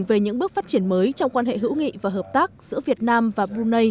về những bước phát triển mới trong quan hệ hữu nghị và hợp tác giữa việt nam và brunei